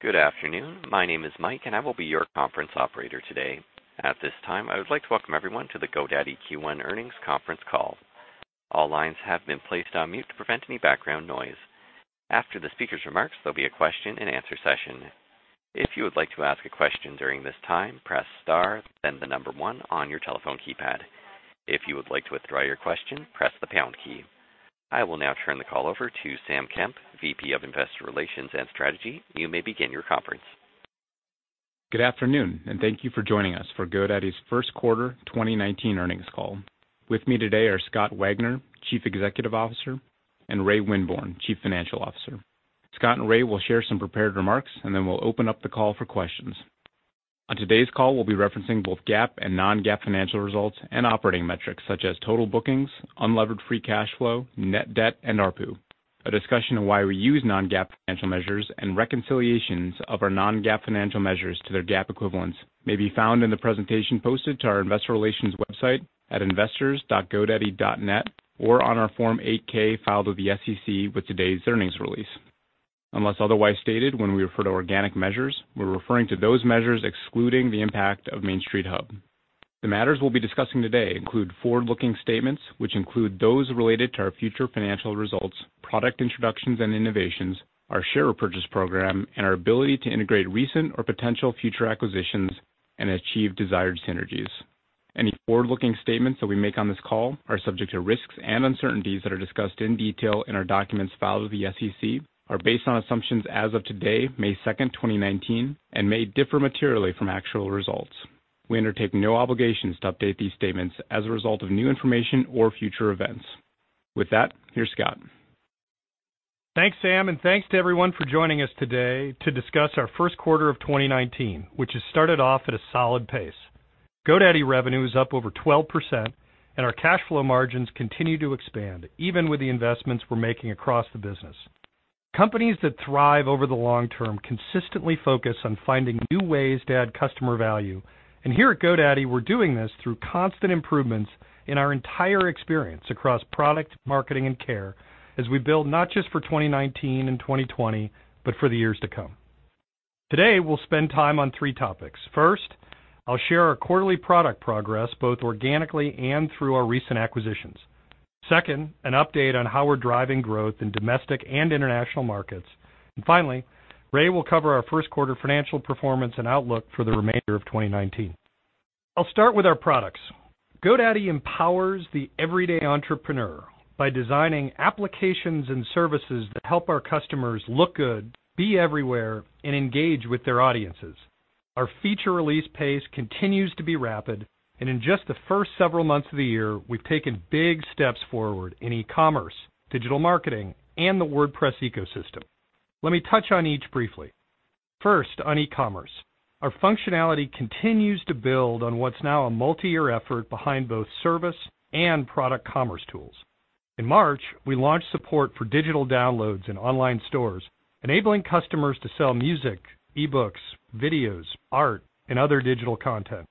Good afternoon. My name is Mike, and I will be your conference operator today. At this time, I would like to welcome everyone to the GoDaddy Q1 earnings conference call. All lines have been placed on mute to prevent any background noise. After the speakers' remarks, there'll be a question and answer session. If you would like to ask a question during this time, press star, then the number one on your telephone keypad. If you would like to withdraw your question, press the pound key. I will now turn the call over to Sam Kemp, VP of Investor Relations and Strategy. You may begin your conference. Good afternoon. Thank you for joining us for GoDaddy's first quarter 2019 earnings call. With me today are Scott Wagner, Chief Executive Officer, and Ray Winborne, Chief Financial Officer. Scott and Ray will share some prepared remarks, and then we'll open up the call for questions. On today's call, we'll be referencing both GAAP and non-GAAP financial results and operating metrics such as total bookings, unlevered free cash flow, net debt, and ARPU. A discussion of why we use non-GAAP financial measures and reconciliations of our non-GAAP financial measures to their GAAP equivalents may be found in the presentation posted to our investor relations website at investors.godaddy.net or on our Form 8-K filed with the SEC with today's earnings release. Unless otherwise stated, when we refer to organic measures, we're referring to those measures excluding the impact of Main Street Hub. The matters we'll be discussing today include forward-looking statements, which include those related to our future financial results, product introductions and innovations, our share repurchase program, and our ability to integrate recent or potential future acquisitions and achieve desired synergies. Any forward-looking statements that we make on this call are subject to risks and uncertainties that are discussed in detail in our documents filed with the SEC, are based on assumptions as of today, May 2nd, 2019, and may differ materially from actual results. We undertake no obligations to update these statements as a result of new information or future events. With that, here's Scott. Thanks, Sam. Thanks to everyone for joining us today to discuss our first quarter of 2019, which has started off at a solid pace. GoDaddy revenue is up over 12%, and our cash flow margins continue to expand, even with the investments we're making across the business. Companies that thrive over the long term consistently focus on finding new ways to add customer value, and here at GoDaddy, we're doing this through constant improvements in our entire experience across product, marketing, and care as we build not just for 2019 and 2020, but for the years to come. Today, we'll spend time on three topics. First, I'll share our quarterly product progress, both organically and through our recent acquisitions. Second, an update on how we're driving growth in domestic and international markets. Finally, Ray will cover our first quarter financial performance and outlook for the remainder of 2019. I'll start with our products. GoDaddy empowers the everyday entrepreneur by designing applications and services that help our customers look good, be everywhere, and engage with their audiences. Our feature release pace continues to be rapid, and in just the first several months of the year, we've taken big steps forward in e-commerce, digital marketing, and the WordPress ecosystem. Let me touch on each briefly. First, on e-commerce. Our functionality continues to build on what's now a multi-year effort behind both service and product commerce tools. In March, we launched support for digital downloads in online stores, enabling customers to sell music, e-books, videos, art, and other digital content.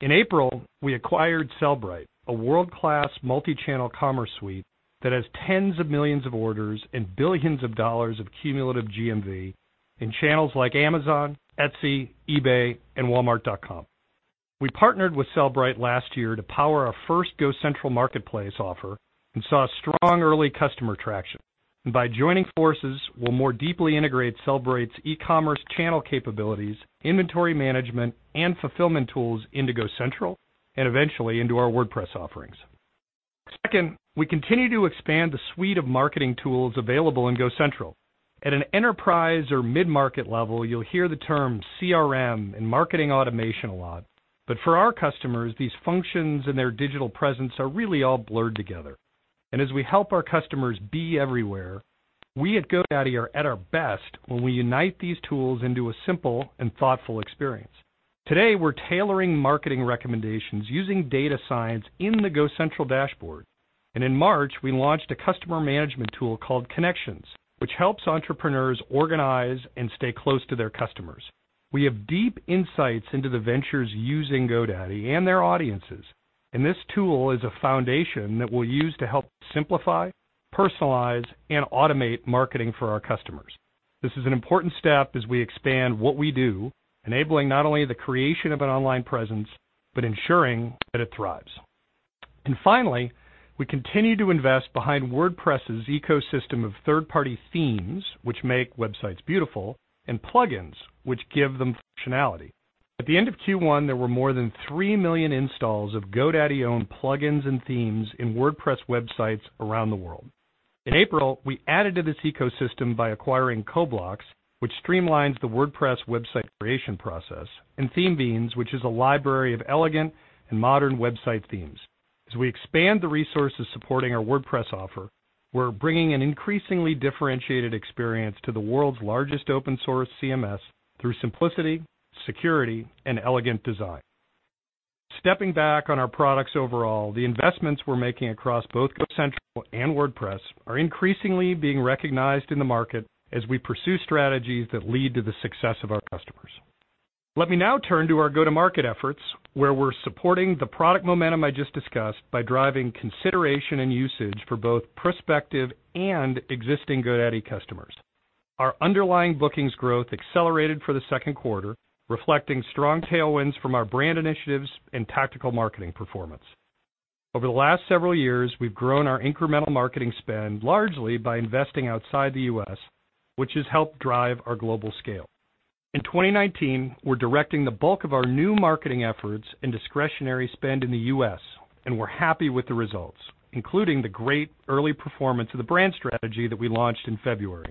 In April, we acquired Sellbrite, a world-class multi-channel commerce suite that has tens of millions of orders and billions of dollars of cumulative GMV in channels like Amazon, Etsy, eBay, and Walmart.com. We partnered with Sellbrite last year to power our first GoCentral marketplace offer and saw strong early customer traction. By joining forces, we'll more deeply integrate Sellbrite's e-commerce channel capabilities, inventory management, and fulfillment tools into GoCentral, and eventually into our WordPress offerings. Second, we continue to expand the suite of marketing tools available in GoCentral. At an enterprise or mid-market level, you'll hear the term CRM and marketing automation a lot, but for our customers, these functions and their digital presence are really all blurred together. As we help our customers be everywhere, we at GoDaddy are at our best when we unite these tools into a simple and thoughtful experience. Today, we're tailoring marketing recommendations using data science in the GoCentral dashboard. In March, we launched a customer management tool called Connections, which helps entrepreneurs organize and stay close to their customers. We have deep insights into the ventures using GoDaddy and their audiences, and this tool is a foundation that we'll use to help simplify, personalize, and automate marketing for our customers. This is an important step as we expand what we do, enabling not only the creation of an online presence, but ensuring that it thrives. Finally, we continue to invest behind WordPress's ecosystem of third-party themes, which make websites beautiful, and plug-ins, which give them functionality. At the end of Q1, there were more than 3 million installs of GoDaddy-owned plug-ins and themes in WordPress websites around the world. In April, we added to this ecosystem by acquiring CoBlocks, which streamlines the WordPress website creation process, and ThemeBeans, which is a library of elegant and modern website themes. As we expand the resources supporting our WordPress offer, we're bringing an increasingly differentiated experience to the world's largest open source CMS through simplicity, security, and elegant design. Stepping back on our products overall, the investments we're making across both GoCentral and WordPress are increasingly being recognized in the market as we pursue strategies that lead to the success of our customers. Let me now turn to our go-to-market efforts, where we're supporting the product momentum I just discussed by driving consideration and usage for both prospective and existing GoDaddy customers. Our underlying bookings growth accelerated for the second quarter, reflecting strong tailwinds from our brand initiatives and tactical marketing performance. Over the last several years, we've grown our incremental marketing spend largely by investing outside the U.S., which has helped drive our global scale. In 2019, we're directing the bulk of our new marketing efforts and discretionary spend in the U.S. We're happy with the results, including the great early performance of the brand strategy that we launched in February.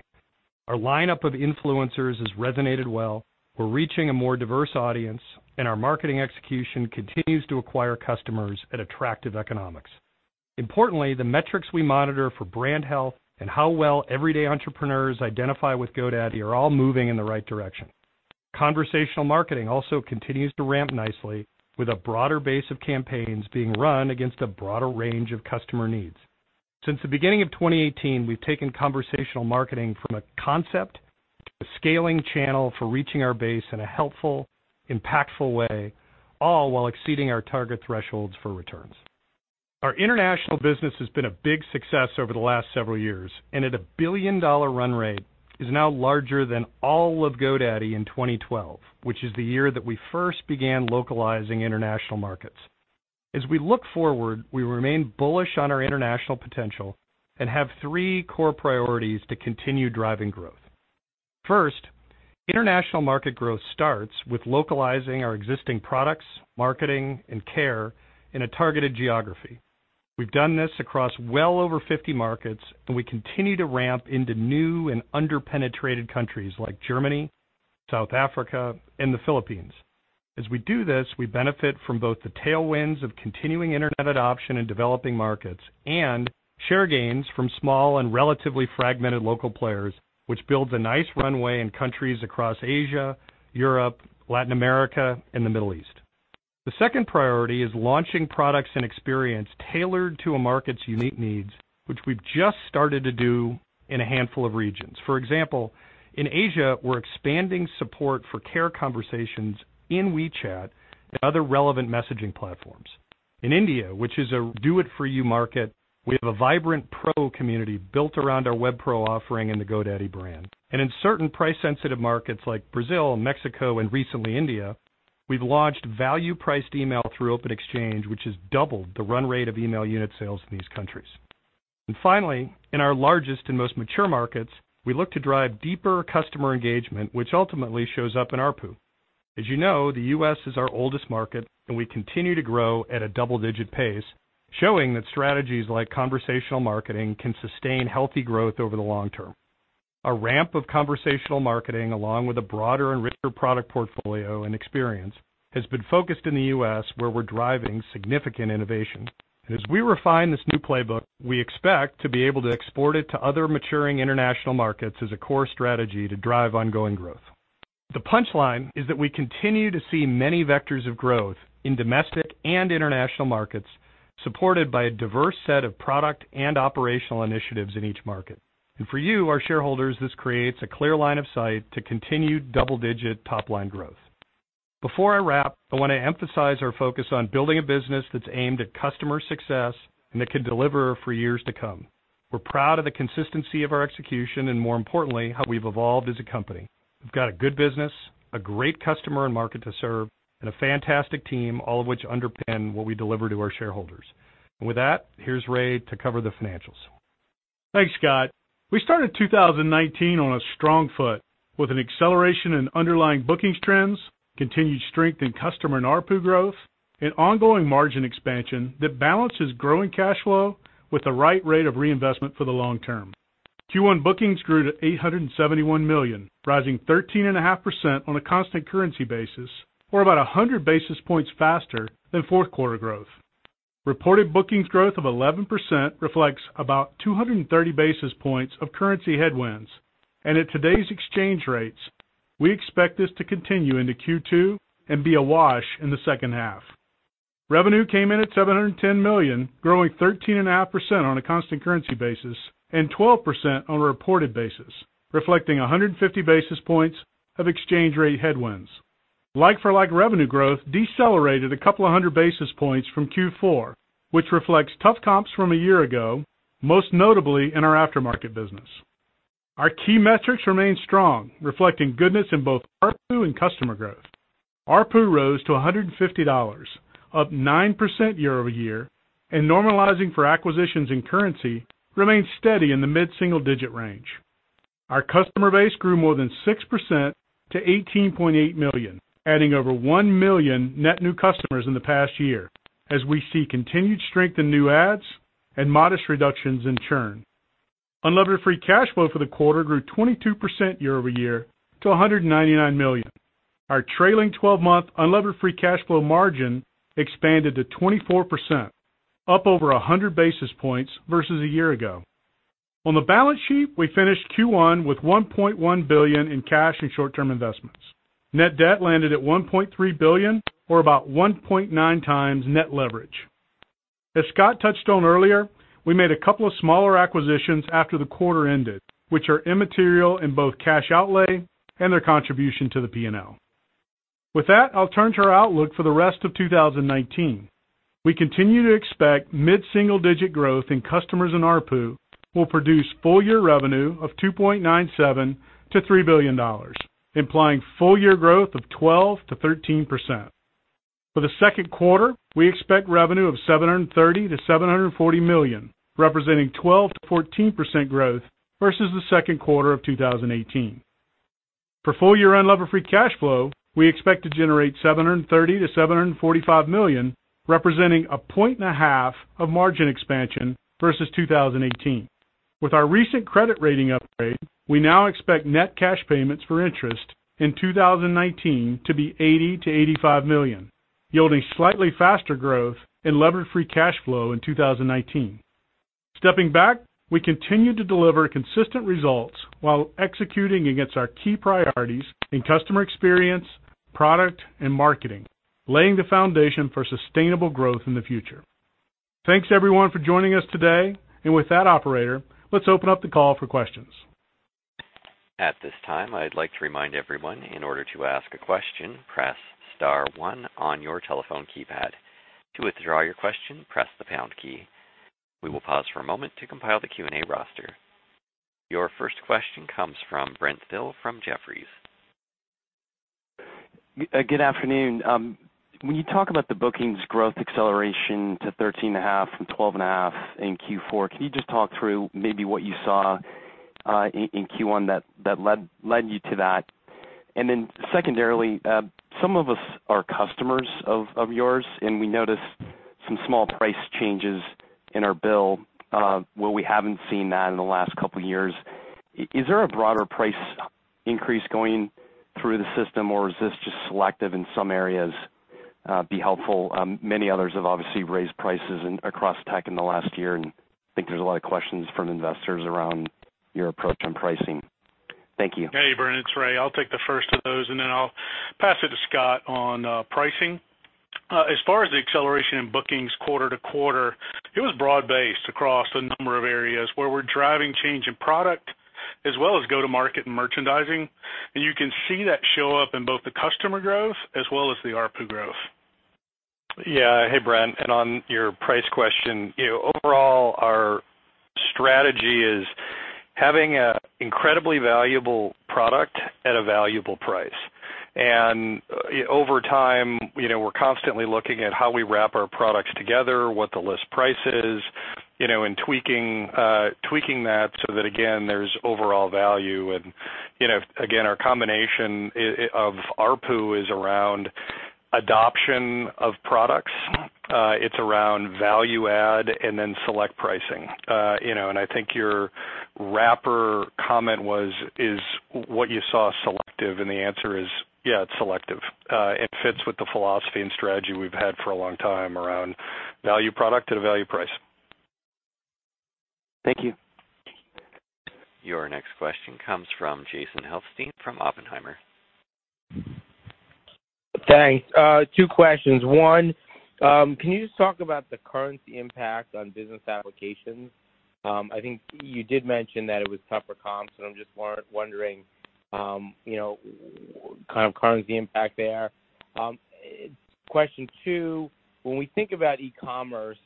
Our lineup of influencers has resonated well. We're reaching a more diverse audience. Our marketing execution continues to acquire customers at attractive economics. Importantly, the metrics we monitor for brand health and how well everyday entrepreneurs identify with GoDaddy are all moving in the right direction. Conversational marketing also continues to ramp nicely with a broader base of campaigns being run against a broader range of customer needs. Since the beginning of 2018, we've taken conversational marketing from a concept to a scaling channel for reaching our base in a helpful, impactful way, all while exceeding our target thresholds for returns. Our international business has been a big success over the last several years. At a billion-dollar run rate, is now larger than all of GoDaddy in 2012, which is the year that we first began localizing international markets. As we look forward, we remain bullish on our international potential and have three core priorities to continue driving growth. First, international market growth starts with localizing our existing products, marketing, and care in a targeted geography. We've done this across well over 50 markets. We continue to ramp into new and under-penetrated countries like Germany, South Africa, and the Philippines. As we do this, we benefit from both the tailwinds of continuing internet adoption in developing markets and share gains from small and relatively fragmented local players, which builds a nice runway in countries across Asia, Europe, Latin America, and the Middle East. The second priority is launching products and experience tailored to a market's unique needs, which we've just started to do in a handful of regions. For example, in Asia, we're expanding support for care conversations in WeChat and other relevant messaging platforms. In India, which is a do-it-for-you market, we have a vibrant Pro community built around our Web Pro offering and the GoDaddy brand. In certain price-sensitive markets like Brazil, Mexico, and recently India, we've launched value-priced email through Open-Xchange, which has doubled the run rate of email unit sales in these countries. Finally, in our largest and most mature markets, we look to drive deeper customer engagement, which ultimately shows up in ARPU. As you know, the U.S. is our oldest market. We continue to grow at a double-digit pace, showing that strategies like conversational marketing can sustain healthy growth over the long term. A ramp of conversational marketing, along with a broader and richer product portfolio and experience, has been focused in the U.S., where we're driving significant innovation. As we refine this new playbook, we expect to be able to export it to other maturing international markets as a core strategy to drive ongoing growth. The punchline is that we continue to see many vectors of growth in domestic and international markets, supported by a diverse set of product and operational initiatives in each market. For you, our shareholders, this creates a clear line of sight to continued double-digit top-line growth. Before I wrap, I want to emphasize our focus on building a business that's aimed at customer success and that can deliver for years to come. We're proud of the consistency of our execution and, more importantly, how we've evolved as a company. We've got a good business, a great customer and market to serve, and a fantastic team, all of which underpin what we deliver to our shareholders. With that, here's Ray to cover the financials. Thanks, Scott. We started 2019 on a strong foot with an acceleration in underlying bookings trends, continued strength in customer and ARPU growth, and ongoing margin expansion that balances growing cash flow with the right rate of reinvestment for the long term. Q1 bookings grew to $871 million, rising 13.5% on a constant currency basis, or about 100 basis points faster than fourth quarter growth. Reported bookings growth of 11% reflects about 230 basis points of currency headwinds. At today's exchange rates, we expect this to continue into Q2 and be a wash in the second half. Revenue came in at $710 million, growing 13.5% on a constant currency basis and 12% on a reported basis, reflecting 150 basis points of exchange rate headwinds. Like-for-like revenue growth decelerated a couple of hundred basis points from Q4, which reflects tough comps from a year ago, most notably in our aftermarket business. Our key metrics remain strong, reflecting goodness in both ARPU and customer growth. ARPU rose to $150, up 9% year-over-year, and normalizing for acquisitions and currency, remained steady in the mid-single-digit range. Our customer base grew more than 6% to 18.8 million, adding over one million net new customers in the past year as we see continued strength in new adds and modest reductions in churn. Unlevered free cash flow for the quarter grew 22% year-over-year to $199 million. Our trailing 12-month unlevered free cash flow margin expanded to 24%, up over 100 basis points versus a year ago. On the balance sheet, we finished Q1 with $1.1 billion in cash and short-term investments. Net debt landed at $1.3 billion, or about 1.9 times net leverage. As Scott touched on earlier, we made a couple of smaller acquisitions after the quarter ended, which are immaterial in both cash outlay and their contribution to the P&L. With that, I'll turn to our outlook for the rest of 2019. We continue to expect mid-single-digit growth in customers and ARPU will produce full-year revenue of $2.97 billion-$3 billion, implying full-year growth of 12%-13%. For the second quarter, we expect revenue of $730 million-$740 million, representing 12%-14% growth versus the second quarter of 2018. For full-year unlevered free cash flow, we expect to generate $730 million-$745 million, representing a point and a half of margin expansion versus 2018. With our recent credit rating upgrade, we now expect net cash payments for interest in 2019 to be $80 million-$85 million, yielding slightly faster growth in levered free cash flow in 2019. Stepping back, we continue to deliver consistent results while executing against our key priorities in customer experience, product, and marketing, laying the foundation for sustainable growth in the future. Thanks everyone for joining us today. With that, operator, let's open up the call for questions. At this time, I'd like to remind everyone, in order to ask a question, press *1 on your telephone keypad. To withdraw your question, press the # key. We will pause for a moment to compile the Q&A roster. Your first question comes from Brent Thill from Jefferies. Good afternoon. When you talk about the bookings growth acceleration to 13.5% from 12.5% in Q4, can you just talk through maybe what you saw in Q1 that led you to that? Then secondarily, some of us are customers of yours, and we noticed some small price changes in our bill, where we haven't seen that in the last couple of years. Is there a broader price increase going through the system, or is this just selective in some areas, be helpful. Many others have obviously raised prices across tech in the last year, I think there's a lot of questions from investors around your approach on pricing. Thank you. Hey, Brent. It's Ray. I'll take the first of those, then I'll pass it to Scott on pricing. As far as the acceleration in bookings quarter to quarter, it was broad-based across a number of areas where we're driving change in product as well as go-to-market and merchandising. You can see that show up in both the customer growth as well as the ARPU growth. Yeah. Hey, Brent. On your price question, overall, our strategy is having an incredibly valuable product at a valuable price. Over time, we're constantly looking at how we wrap our products together, what the list price is, and tweaking that so that, again, there's overall value. Again, our combination of ARPU is around adoption of products, it's around value add, and then select pricing. I think your wrapper comment was, is what you saw selective? The answer is, yeah, it's selective. It fits with the philosophy and strategy we've had for a long time around value product at a value price. Thank you. Your next question comes from Jason Helfstein from Oppenheimer. Thanks. Two questions. One, can you just talk about the currency impact on business applications? I think you did mention that it was tougher comps, I'm just wondering kind of currency impact there. Question two, when we think about e-commerce,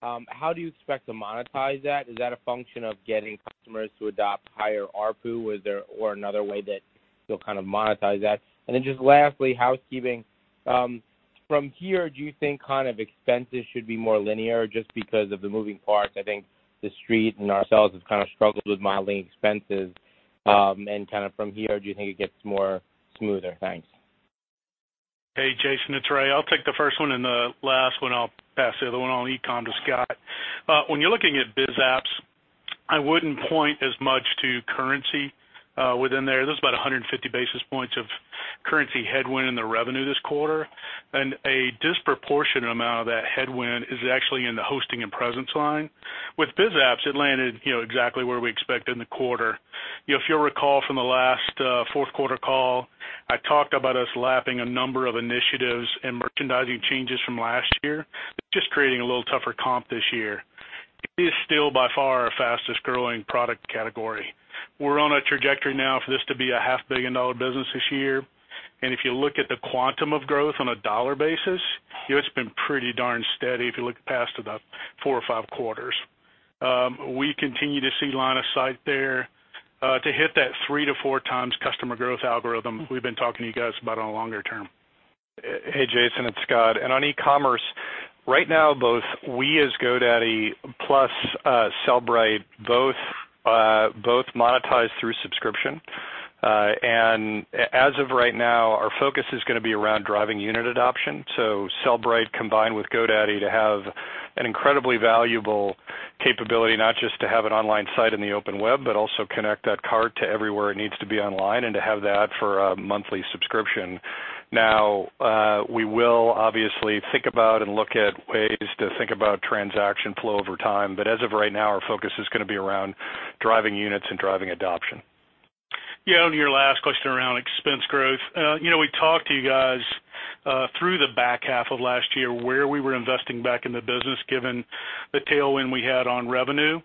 how do you expect to monetize that? Is that a function of getting customers to adopt higher ARPU? Was there or another way that you'll kind of monetize that? Then just lastly, housekeeping. From here, do you think kind of expenses should be more linear just because of the moving parts? I think the Street and ourselves have kind of struggled with modeling expenses. Kind of from here, do you think it gets more smoother? Thanks. Hey, Jason, it's Ray. I'll take the first one and the last one. I'll pass the other one on e-com to Scott. When you're looking at biz apps, I wouldn't point as much to currency within there. There's about 150 basis points of currency headwind in the revenue this quarter, and a disproportionate amount of that headwind is actually in the hosting and presence line. With biz apps, it landed exactly where we expected in the quarter. If you'll recall from the last fourth quarter call, I talked about us lapping a number of initiatives and merchandising changes from last year, just creating a little tougher comp this year. It is still by far our fastest-growing product category. We're on a trajectory now for this to be a half-billion-dollar business this year. If you look at the quantum of growth on a dollar basis, it's been pretty darn steady if you look past about four or five quarters. We continue to see line of sight there to hit that three to four times customer growth algorithm we've been talking to you guys about on longer term. Hey, Jason, it's Scott. On e-commerce, right now, both we as GoDaddy plus Sellbrite both monetize through subscription. As of right now, our focus is going to be around driving unit adoption. Sellbrite combined with GoDaddy to have an incredibly valuable capability, not just to have an online site in the open web, but also connect that cart to everywhere it needs to be online and to have that for a monthly subscription. Now, we will obviously think about and look at ways to think about transaction flow over time, but as of right now, our focus is going to be around driving units and driving adoption. On your last question around expense growth. We talked to you guys through the back half of last year where we were investing back in the business, given the tailwind we had on revenue.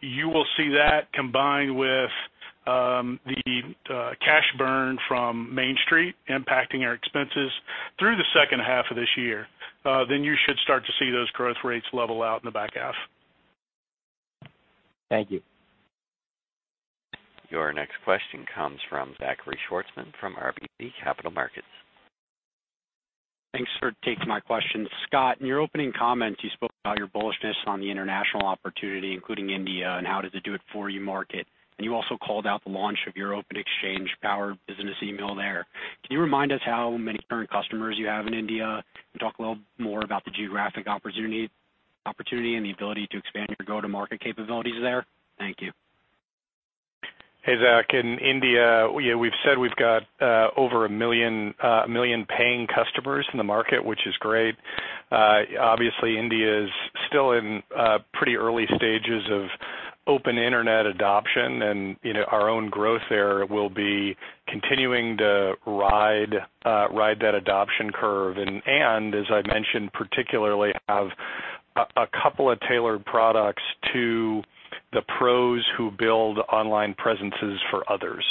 You will see that combined with the cash burn from Main Street impacting our expenses through the second half of this year. You should start to see those growth rates level out in the back half. Thank you. Your next question comes from Zachary Schwartzman from RBC Capital Markets. Thanks for taking my question. Scott, in your opening comments, you spoke about your bullishness on the international opportunity, including India, and how does it do it for you market, and you also called out the launch of your Open-Xchange Power business email there. Can you remind us how many current customers you have in India? Talk a little more about the geographic opportunity and the ability to expand your go-to-market capabilities there. Thank you. Hey, Zach. In India, we've said we've got over 1 million paying customers in the market, which is great. Obviously, India's still in pretty early stages of open internet adoption. Our own growth there will be continuing to ride that adoption curve and, as I mentioned, particularly have a couple of tailored products to the pros who build online presences for others.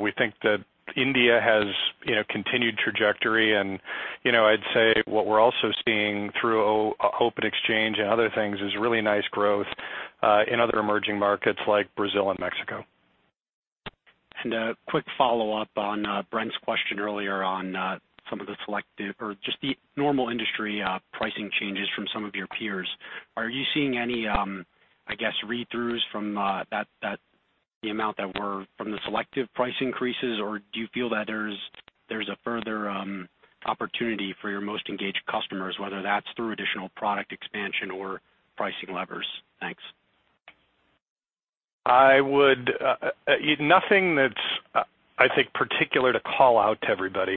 We think that India has continued trajectory and I'd say what we're also seeing through Open-Xchange and other things is really nice growth in other emerging markets like Brazil and Mexico. A quick follow-up on Brent's question earlier on some of the selective or just the normal industry pricing changes from some of your peers. Are you seeing any read-throughs from the amount that were from the selective price increases, or do you feel that there's a further opportunity for your most engaged customers, whether that's through additional product expansion or pricing levers? Thanks. Nothing that's, I think, particular to call out to everybody.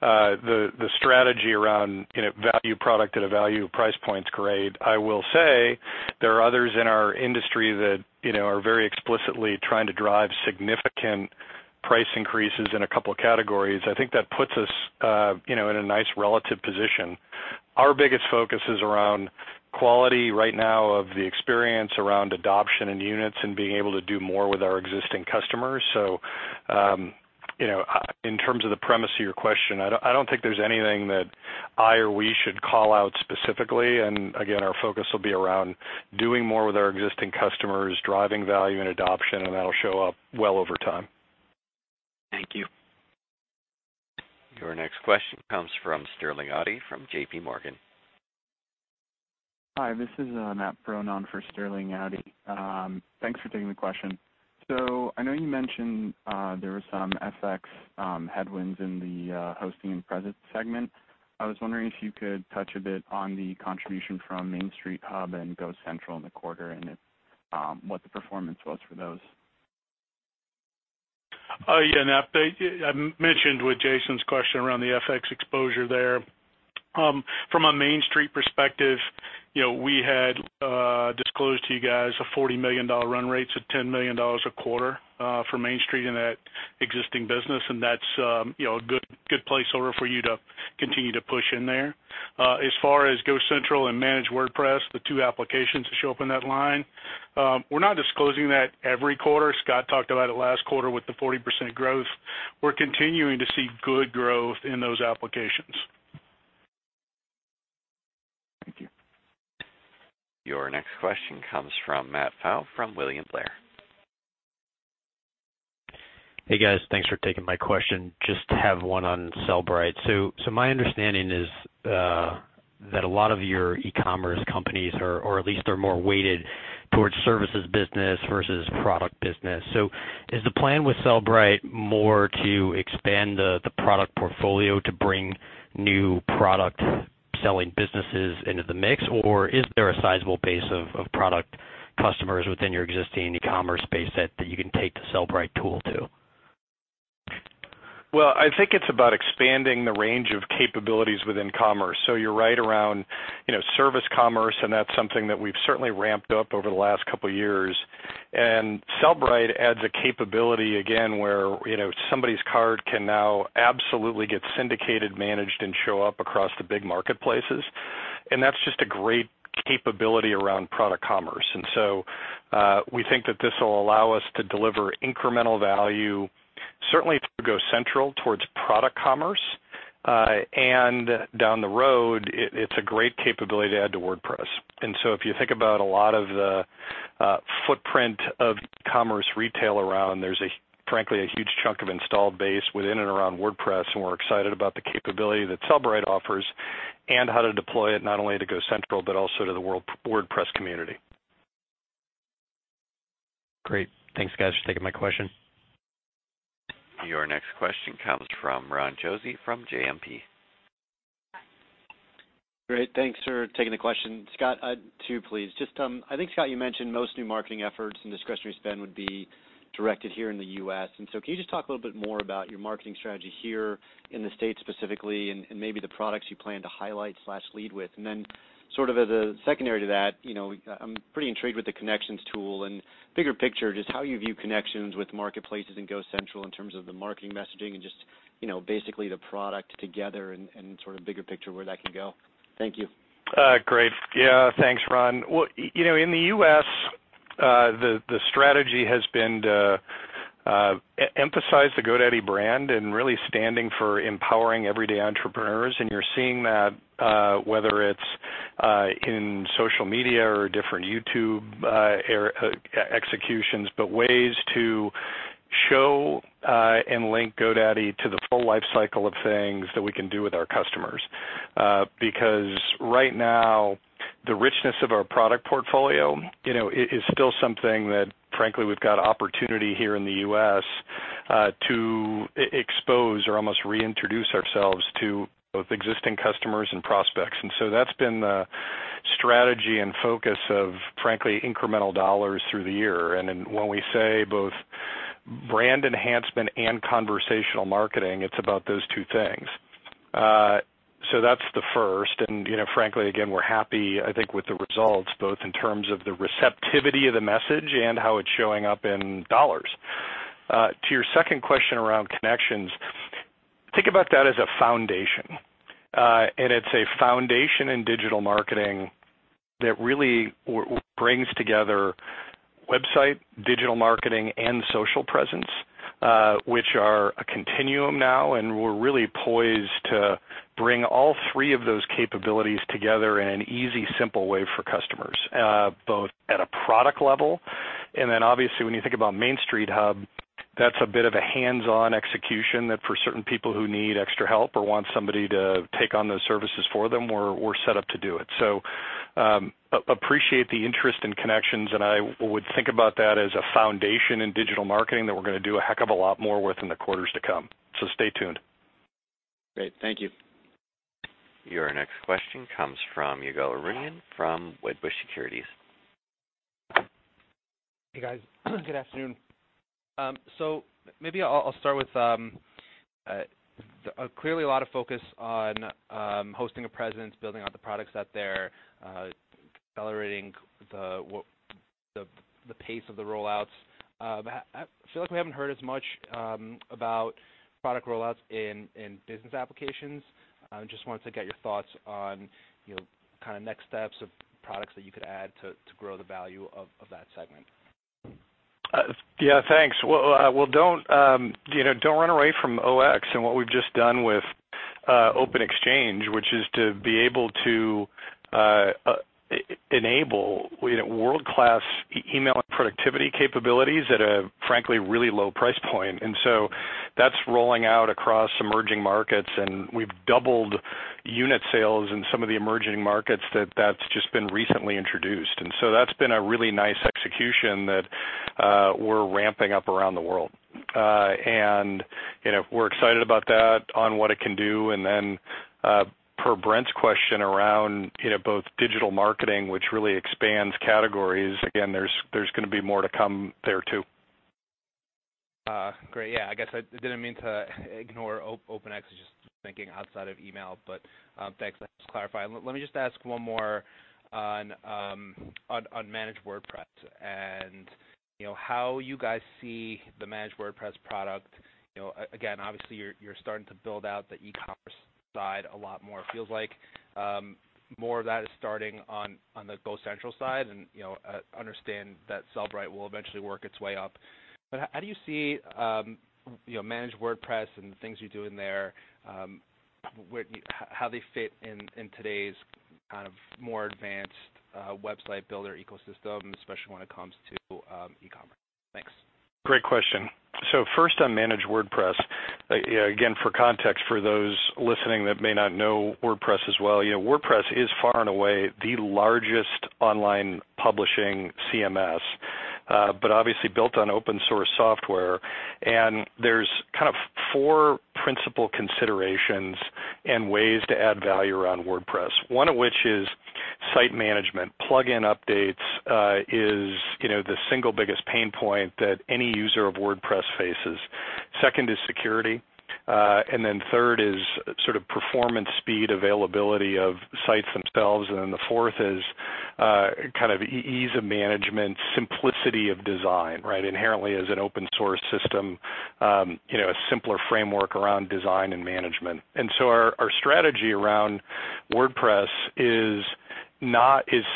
The strategy around value product at a value price point is great. I will say there are others in our industry that are very explicitly trying to drive significant price increases in a couple of categories. I think that puts us in a nice relative position. Our biggest focus is around quality right now of the experience around adoption and units and being able to do more with our existing customers. In terms of the premise of your question, I don't think there's anything that I or we should call out specifically. Again, our focus will be around doing more with our existing customers, driving value and adoption, and that'll show up well over time. Thank you. Your next question comes from Sterling Auty from J.P. Morgan. Hi, this is Matthew Bronaugh for Sterling Auty. Thanks for taking the question. I know you mentioned there were some FX headwinds in the hosting and presence segment. I was wondering if you could touch a bit on the contribution from Main Street Hub and GoCentral in the quarter and what the performance was for those. Matt, I mentioned with Jason's question around the FX exposure there. From a Main Street perspective, we had disclosed to you guys a $40 million run rates at $10 million a quarter for Main Street in that existing business, and that's a good place for you to continue to push in there. As far as GoCentral and Managed WordPress, the two applications that show up in that line, we're not disclosing that every quarter. Scott talked about it last quarter with the 40% growth. We're continuing to see good growth in those applications. Thank you. Your next question comes from Matthew Pfau from William Blair. Hey, guys. Thanks for taking my question. Just have one on Sellbrite. My understanding is that a lot of your e-commerce companies are at least more weighted towards services business versus product business. Is the plan with Sellbrite more to expand the product portfolio to bring new product-selling businesses into the mix, or is there a sizable base of product customers within your existing e-commerce base that you can take the Sellbrite tool to? I think it's about expanding the range of capabilities within commerce. You're right around service commerce, and that's something that we've certainly ramped up over the last couple of years. Sellbrite adds a capability again where somebody's cart can now absolutely get syndicated, managed, and show up across the big marketplaces. That's just a great capability around product commerce. We think that this will allow us to deliver incremental value, certainly through GoCentral towards product commerce. Down the road, it's a great capability to add to WordPress. If you think about a lot of the footprint of commerce retail around, there's frankly a huge chunk of installed base within and around WordPress, and we're excited about the capability that Sellbrite offers and how to deploy it not only to GoCentral, but also to the WordPress community. Great. Thanks, guys, for taking my question. Your next question comes from Ron Josey from JMP. Great. Thanks for taking the question. Scott, two, please. Just, I think, Scott, you mentioned most new marketing efforts and discretionary spend would be directed here in the U.S. Can you just talk a little bit more about your marketing strategy here in the States specifically and maybe the products you plan to highlight/lead with? Sort of as a secondary to that, I'm pretty intrigued with the Connections tool and bigger picture, just how you view connections with marketplaces and GoCentral in terms of the marketing messaging and just basically the product together and sort of bigger picture where that could go. Thank you. Great. Yeah, thanks, Ron. Well, in the U.S., the strategy has been to emphasize the GoDaddy brand and really standing for empowering everyday entrepreneurs, and you're seeing that whether it's in social media or different YouTube executions, but ways to show and link GoDaddy to the full life cycle of things that we can do with our customers. Because right now, the richness of our product portfolio is still something that frankly, we've got opportunity here in the U.S. to expose or almost reintroduce ourselves to both existing customers and prospects. That's been the strategy and focus of, frankly, incremental dollars through the year. When we say both brand enhancement and conversational marketing, it's about those two things. That's the first. Frankly, again, we're happy, I think, with the results, both in terms of the receptivity of the message and how it's showing up in dollars. To your second question around Connections, think about that as a foundation. It's a foundation in digital marketing that really brings together website, digital marketing, and social presence, which are a continuum now, and we're really poised to bring all three of those capabilities together in an easy, simple way for customers, both at a product level, and then obviously, when you think about Main Street Hub, that's a bit of a hands-on execution that for certain people who need extra help or want somebody to take on those services for them, we're set up to do it. Appreciate the interest in Connections, and I would think about that as a foundation in digital marketing that we're going to do a heck of a lot more with in the quarters to come. Stay tuned. Great. Thank you. Your next question comes from Ygal Arounian from Wedbush Securities. Hey, guys. Good afternoon. Maybe I'll start with, clearly a lot of focus on hosting a presence, building out the product set there, accelerating the pace of the rollouts. I feel like we haven't heard as much about product rollouts in business applications. Just wanted to get your thoughts on kind of next steps of products that you could add to grow the value of that segment. Yeah. Thanks. Well, don't run away from Open-Xchange and what we've just done with Open-Xchange, which is to be able to enable world-class email and productivity capabilities at a, frankly, really low price point. That's rolling out across emerging markets, and we've doubled unit sales in some of the emerging markets that that's just been recently introduced. That's been a really nice execution that we're ramping up around the world. We're excited about that, on what it can do. Per Brent's question around both digital marketing, which really expands categories, again, there's going to be more to come there, too. Great. Yeah, I guess I didn't mean to ignore Open-Xchange, just thinking outside of email, but thanks. That helps clarify. Let me just ask one more on Managed WordPress, and how you guys see the Managed WordPress product. Again, obviously, you're starting to build out the e-commerce side a lot more. It feels like more of that is starting on the GoCentral side, and I understand that Sellbrite will eventually work its way up. How do you see Managed WordPress and the things you're doing there, how they fit in today's kind of more advanced website builder ecosystem, especially when it comes to e-commerce? Thanks. Great question. First on Managed WordPress, again, for context, for those listening that may not know WordPress as well, WordPress is far and away the largest online publishing CMS, but obviously built on open-source software. There's kind of four principal considerations and ways to add value around WordPress. One of which is site management. Plug-in updates is the single biggest pain point that any user of WordPress faces. Second is security, third is sort of performance, speed, availability of sites themselves, and the fourth is kind of ease of management, simplicity of design, right? Inherently as an open-source system, a simpler framework around design and management. Our strategy around WordPress is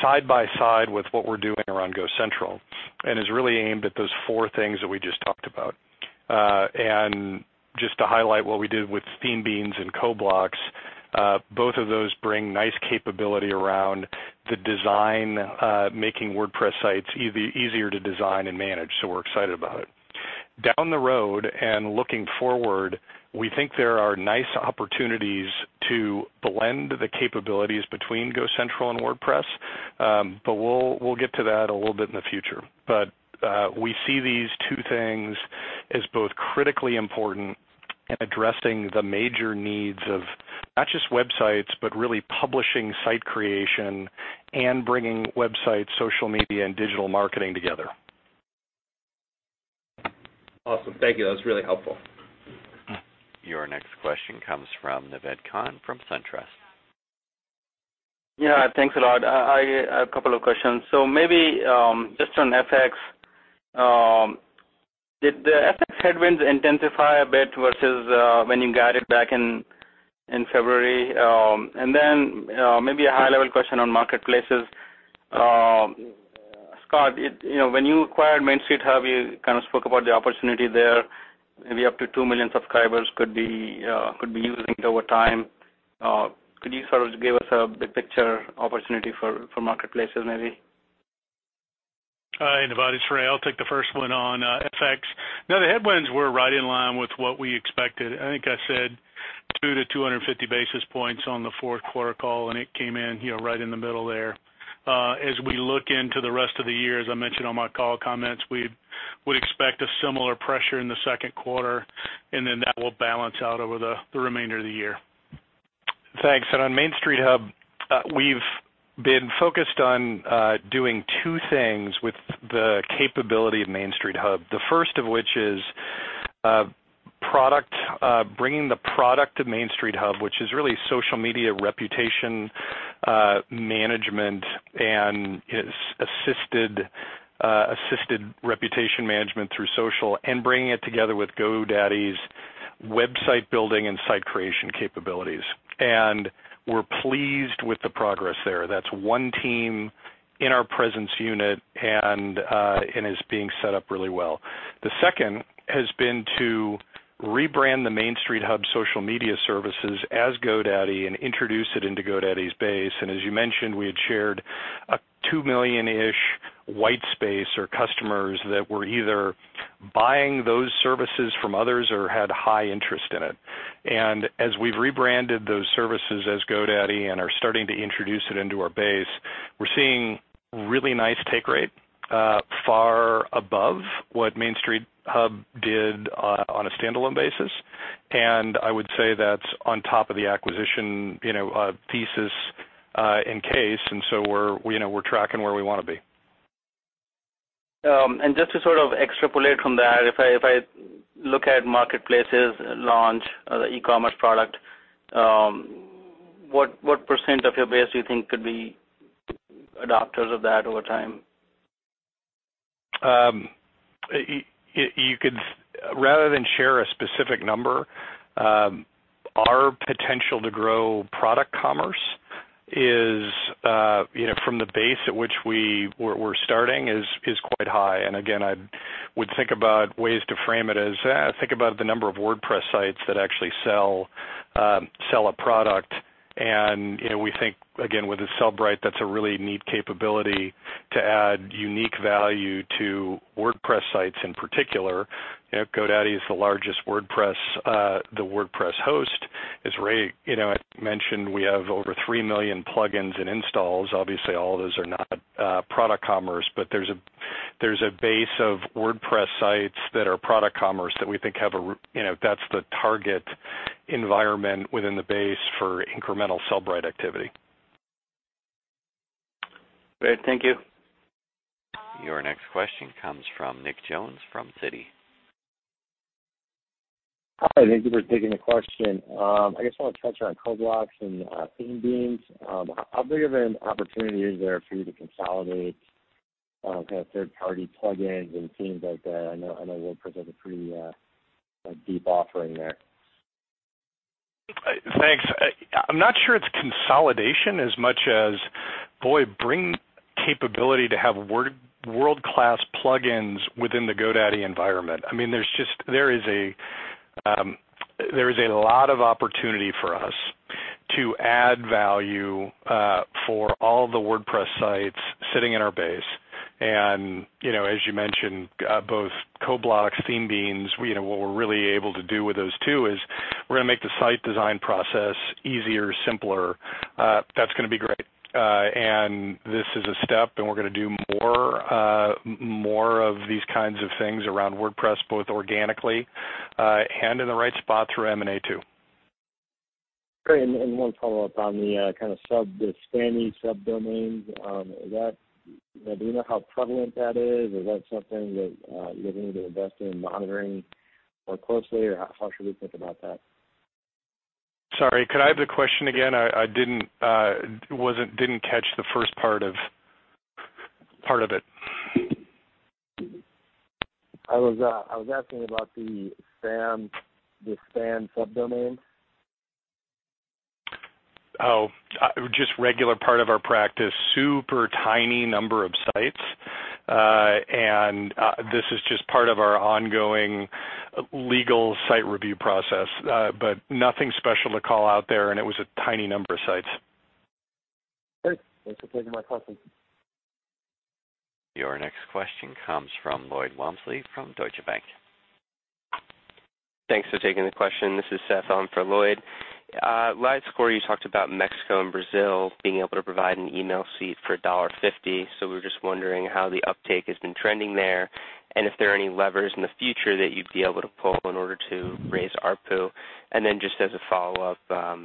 side by side with what we're doing around GoCentral and is really aimed at those four things that we just talked about. Just to highlight what we did with ThemeBeans and CoBlocks, both of those bring nice capability around the design, making WordPress sites easier to design and manage. We're excited about it. Down the road and looking forward, we think there are nice opportunities to blend the capabilities between GoCentral and WordPress, we'll get to that a little bit in the future. We see these two things as both critically important in addressing the major needs of not just websites, but really publishing site creation and bringing websites, social media, and digital marketing together. Awesome. Thank you. That was really helpful. Your next question comes from Naved Khan from SunTrust. Yeah, thanks a lot. I have a couple of questions. Maybe, just on FX, did the FX headwinds intensify a bit versus when you guided back in February? Maybe a high-level question on marketplaces. Scott, when you acquired Main Street Hub, you kind of spoke about the opportunity there, maybe up to 2 million subscribers could be using it over time. Could you sort of give us a big picture opportunity for marketplaces, maybe? Hi, Naved. It's Ray. I'll take the first one on FX. No, the headwinds were right in line with what we expected. I think I said 2 to 250 basis points on the fourth quarter call, and it came in right in the middle there. As we look into the rest of the year, as I mentioned on my call comments, we would expect a similar pressure in the second quarter. That will balance out over the remainder of the year. Thanks. On Main Street Hub, we've been focused on doing two things with the capability of Main Street Hub. The first of which is bringing the product of Main Street Hub, which is really social media reputation management and assisted reputation management through social, and bringing it together with GoDaddy's website building and site creation capabilities. We're pleased with the progress there. That's one team in our presence unit. It is being set up really well. The second has been to rebrand the Main Street Hub social media services as GoDaddy and introduce it into GoDaddy's base. As you mentioned, we had shared a 2 million-ish white space or customers that were either buying those services from others or had high interest in it. As we've rebranded those services as GoDaddy and are starting to introduce it into our base, we're seeing really nice take rate, far above what Main Street Hub did on a standalone basis. I would say that's on top of the acquisition thesis and case. We're tracking where we want to be. Just to sort of extrapolate from that, if I look at marketplaces launch the e-commerce product, what % of your base do you think could be adopters of that over time? Rather than share a specific number, our potential to grow product commerce from the base at which we're starting is quite high. Again, I would think about ways to frame it as, think about the number of WordPress sites that actually sell a product, and we think, again, with the Sellbrite, that's a really neat capability to add unique value to WordPress sites, in particular. GoDaddy is the largest WordPress host. As Ray mentioned, we have over 3 million plugins and installs. Obviously, all those are not product commerce, but there's a base of WordPress sites that are product commerce that we think that's the target environment within the base for incremental Sellbrite activity. Great. Thank you. Your next question comes from Nicholas Jones from Citi. Hi, thank you for taking the question. I just want to touch on CoBlocks and ThemeBeans. How big of an opportunity is there for you to consolidate kind of third-party plugins and themes out there? I know WordPress has a pretty deep offering there. Thanks. I'm not sure it's consolidation as much as, boy, bring capability to have world-class plugins within the GoDaddy environment. There is a lot of opportunity for us to add value for all the WordPress sites sitting in our base. As you mentioned, both CoBlocks, ThemeBeans, what we're really able to do with those two is we're going to make the site design process easier, simpler. That's going to be great. This is a step, and we're going to do more of these kinds of things around WordPress, both organically and in the right spot through M&A, too. Great. One follow-up on the kind of spammy sub-domains. Do you know how prevalent that is? Is that something that you're going to be investing in monitoring more closely, or how should we think about that? Sorry, could I have the question again? I didn't catch the first part of it. I was asking about the spam sub-domains. Oh, just regular part of our practice. Super tiny number of sites, and this is just part of our ongoing legal site review process. Nothing special to call out there, and it was a tiny number of sites. Great. Thanks for taking my question. Your next question comes from Lloyd Walmsley from Deutsche Bank. Thanks for taking the question. This is Seth on for Lloyd. Last quarter, you talked about Mexico and Brazil being able to provide an email seat for $1.50. We were just wondering how the uptake has been trending there, and if there are any levers in the future that you'd be able to pull in order to raise ARPU. Just as a follow-up,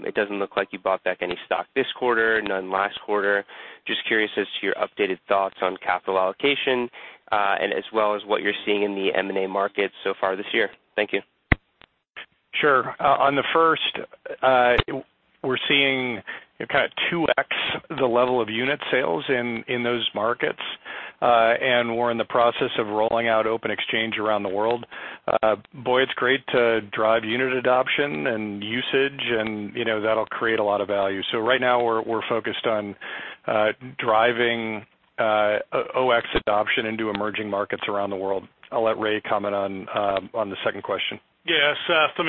it doesn't look like you bought back any stock this quarter, none last quarter. Just curious as to your updated thoughts on capital allocation, and as well as what you're seeing in the M&A market so far this year. Thank you. Sure. On the first, we're seeing kind of 2x the level of unit sales in those markets. We're in the process of rolling out Open-Xchange around the world. Boy, it's great to drive unit adoption and usage, and that'll create a lot of value. Right now, we're focused on driving Open-Xchange adoption into emerging markets around the world. I'll let Ray comment on the second question. Yeah, Seth,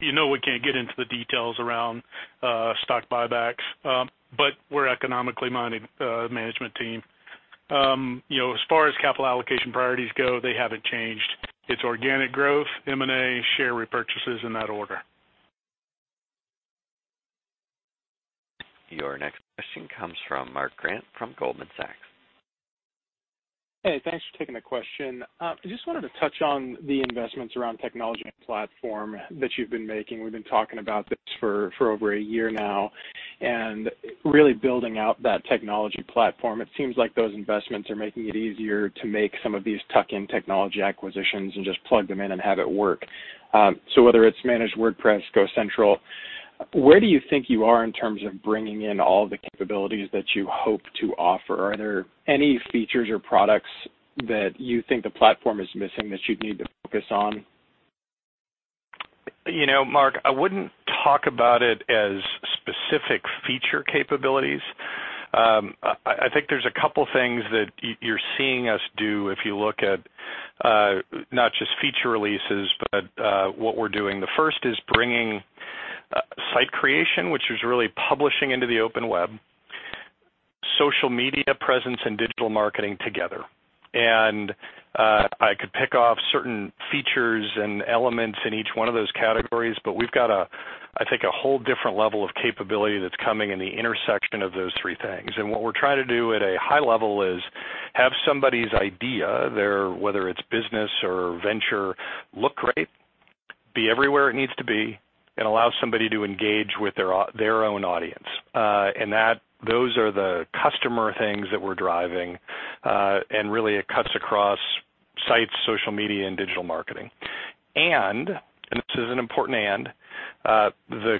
you know we can't get into the details around stock buybacks, but we're an economically-minded management team. As far as capital allocation priorities go, they haven't changed. It's organic growth, M&A, share repurchases in that order. Your next question comes from Mark Grant from Goldman Sachs. Hey, thanks for taking the question. I just wanted to touch on the investments around technology and platform that you've been making. We've been talking about this for over a year now, really building out that technology platform. It seems like those investments are making it easier to make some of these tuck-in technology acquisitions and just plug them in and have it work. Whether it's Managed WordPress, GoCentral, where do you think you are in terms of bringing in all the capabilities that you hope to offer? Are there any features or products that you think the platform is missing that you'd need to focus on? Mark, I wouldn't talk about it as specific feature capabilities. I think there's a couple things that you're seeing us do if you look at not just feature releases, but what we're doing. The first is bringing site creation, which is really publishing into the open web, social media presence, and digital marketing together. I could pick off certain features and elements in each one of those categories, but we've got, I think, a whole different level of capability that's coming in the intersection of those three things. What we're trying to do at a high level is have somebody's idea, whether it's business or venture, look great, be everywhere it needs to be, and allow somebody to engage with their own audience. Those are the customer things that we're driving, and really, it cuts across sites, social media, and digital marketing. This is an important and, the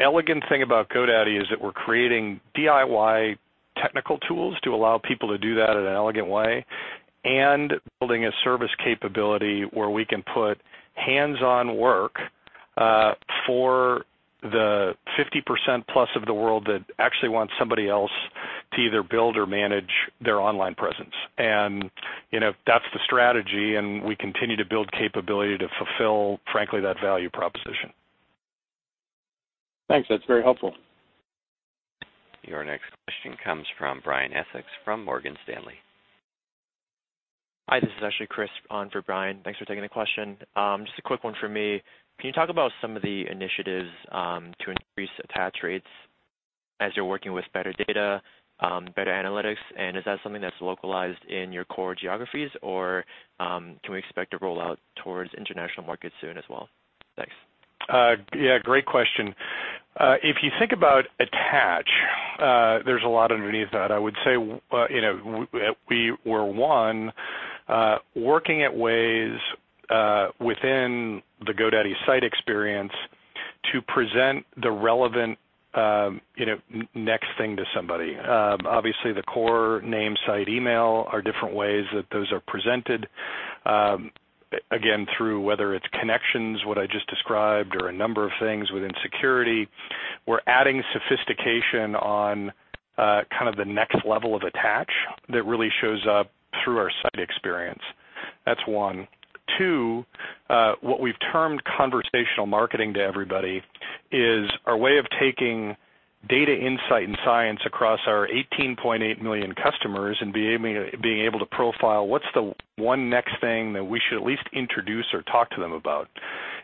elegant thing about GoDaddy is that we're creating DIY technical tools to allow people to do that in an elegant way, and building a service capability where we can put hands-on work, for the 50% plus of the world that actually wants somebody else to either build or manage their online presence. That's the strategy, and we continue to build capability to fulfill, frankly, that value proposition. Thanks. That's very helpful. Your next question comes from Brian Essex from Morgan Stanley. Hi, this is actually Chris on for Brian. Thanks for taking the question. Just a quick one from me. Can you talk about some of the initiatives to increase attach rates as you're working with better data, better analytics, is that something that's localized in your core geographies, or can we expect a rollout towards international markets soon as well? Thanks. Yeah, great question. If you think about attach, there's a lot underneath that. I would say, we were, one, working at ways within the GoDaddy site experience to present the relevant next thing to somebody. Obviously, the core name, site, email are different ways that those are presented. Again, through, whether it's connections, what I just described, or a number of things within security, we're adding sophistication on kind of the next level of attach that really shows up through our site experience. That's one. Two, what we've termed conversational marketing to everybody is our way of taking data insight and science across our 18.8 million customers and being able to profile what's the one next thing that we should at least introduce or talk to them about.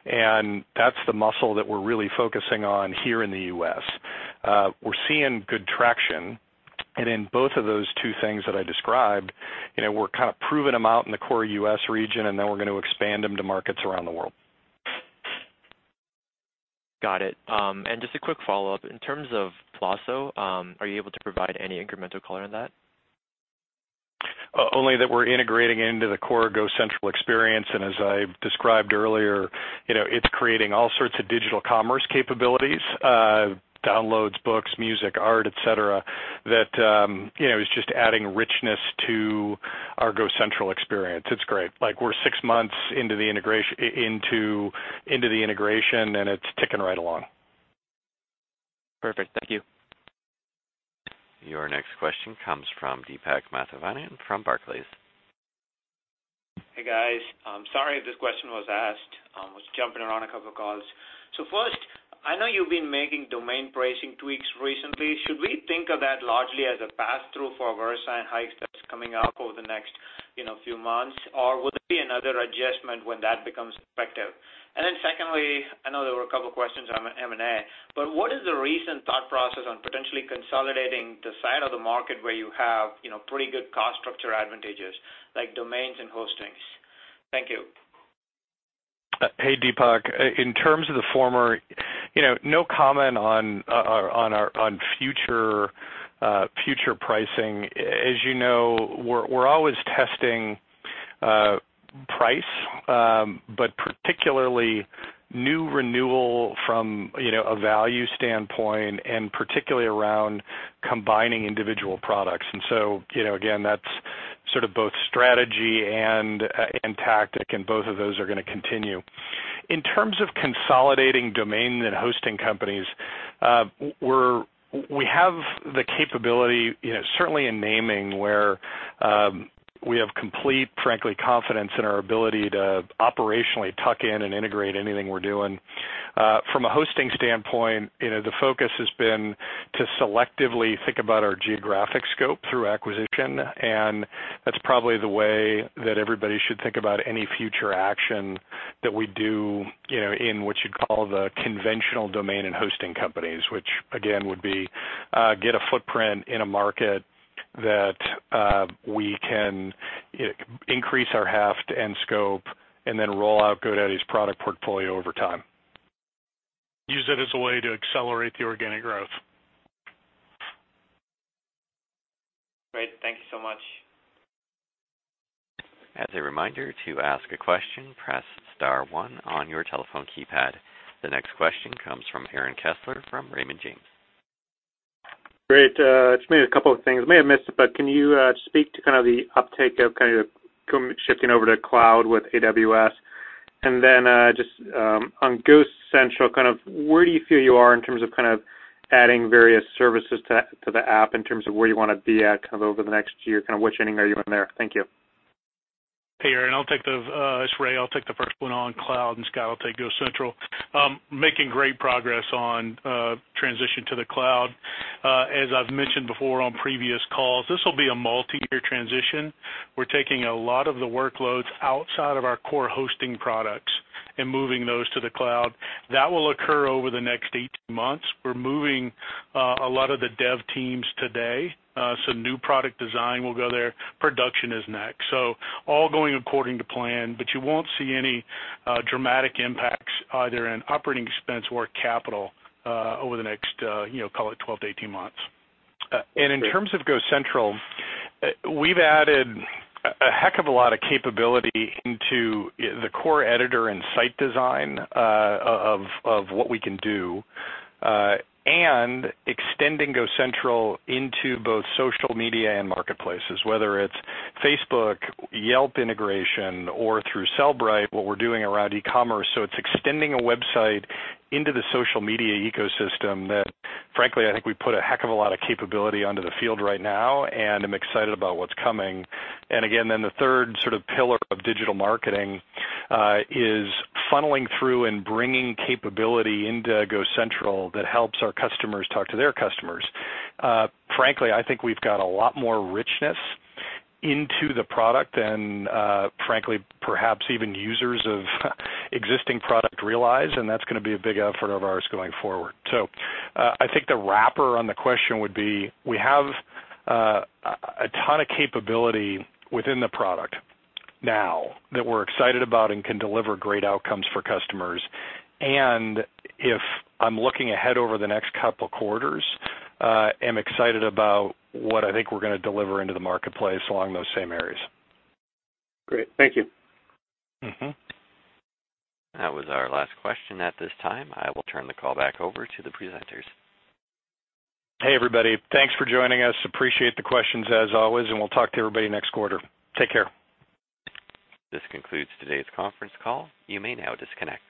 That's the muscle that we're really focusing on here in the U.S. We're seeing good traction, in both of those two things that I described, we're kind of proving them out in the core U.S. region, then we're going to expand them to markets around the world. Got it. Just a quick follow-up. In terms of Poynt, are you able to provide any incremental color on that? Only that we're integrating it into the core GoCentral experience, and as I described earlier, it's creating all sorts of digital commerce capabilities, downloads, books, music, art, et cetera, that is just adding richness to our GoCentral experience. It's great. We're six months into the integration, and it's ticking right along. Perfect. Thank you. Your next question comes from Deepak Mathivanan from Barclays. Hey, guys. I'm sorry if this question was asked. I was jumping around a couple calls. First-I know you've been making domain pricing tweaks recently. Should we think of that largely as a pass-through for our Verisign hikes that's coming up over the next few months? Or will there be another adjustment when that becomes effective? Secondly, I know there were a couple questions on M&A, but what is the recent thought process on potentially consolidating the side of the market where you have pretty good cost structure advantages, like domains and hostings? Thank you. Hey, Deepak. In terms of the former, no comment on future pricing. As you know, we're always testing price, but particularly new renewal from a value standpoint, and particularly around combining individual products. Again, that's both strategy and tactic, and both of those are going to continue. In terms of consolidating domain and hosting companies, we have the capability, certainly in naming, where we have complete, frankly, confidence in our ability to operationally tuck in and integrate anything we're doing. From a hosting standpoint, the focus has been to selectively think about our geographic scope through acquisition, and that's probably the way that everybody should think about any future action that we do in what you'd call the conventional domain and hosting companies, which again, would be get a footprint in a market that we can increase our heft and scope, and then roll out GoDaddy's product portfolio over time. Use it as a way to accelerate the organic growth. Great. Thank you so much. As a reminder, to ask a question, press *1 on your telephone keypad. The next question comes from Aaron Kessler from Raymond James. Maybe a couple of things. May have missed it, can you speak to the uptake of shifting over to cloud with AWS? On GoCentral, where do you feel you are in terms of adding various services to the app in terms of where you want to be at over the next year? Which inning are you in there? Thank you. Hey, Aaron. It's Ray. I'll take the first one on cloud, Scott will take GoCentral. Making great progress on transition to the cloud. As I've mentioned before on previous calls, this will be a multi-year transition. We're taking a lot of the workloads outside of our core hosting products and moving those to the cloud. That will occur over the next 18 months. We're moving a lot of the dev teams today. Some new product design will go there. Production is next. All going according to plan, you won't see any dramatic impacts either in operating expense or capital over the next, call it, 12 to 18 months. In terms of GoCentral, we've added a heck of a lot of capability into the core editor and site design of what we can do, and extending GoCentral into both social media and marketplaces, whether it's Facebook, Yelp integration, or through Sellbrite, what we're doing around e-commerce. It's extending a website into the social media ecosystem that, frankly, I think we put a heck of a lot of capability onto the field right now, and I'm excited about what's coming. The third pillar of digital marketing is funneling through and bringing capability into GoCentral that helps our customers talk to their customers. Frankly, I think we've got a lot more richness into the product than, frankly, perhaps even users of existing product realize, and that's going to be a big effort of ours going forward. I think the wrapper on the question would be, we have a ton of capability within the product now that we're excited about and can deliver great outcomes for customers. If I'm looking ahead over the next couple of quarters, I'm excited about what I think we're going to deliver into the marketplace along those same areas. Great. Thank you. That was our last question. At this time, I will turn the call back over to the presenters. Hey, everybody. Thanks for joining us. Appreciate the questions as always, and we'll talk to everybody next quarter. Take care. This concludes today's conference call. You may now disconnect.